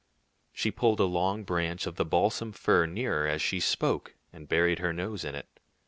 She pulled a long branch of the balsam fir nearer as she spoke, and buried her nose in it.